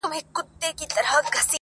ستا د بنگړو مست شرنگهار وچاته څه وركوي